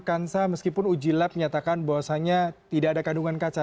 kansa meskipun uji lab menyatakan bahwasannya tidak ada kandungan kaca